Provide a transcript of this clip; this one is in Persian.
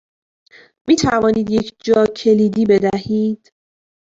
می توانید یک جاکلیدی بدهید؟